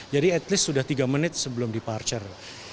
jadi at least sudah tiga menit sebelum departure